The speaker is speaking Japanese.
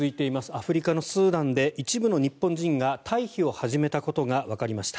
アフリカのスーダンで一部の日本人が退避を始めたことがわかりました。